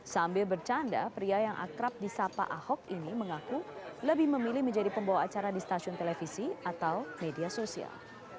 sambil bercanda pria yang akrab di sapa ahok ini mengaku lebih memilih menjadi pembawa acara di stasiun televisi atau media sosial